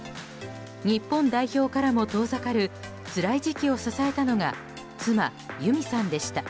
日本代表からも遠ざかるつらい時期を支えたのが妻・裕美さんでした。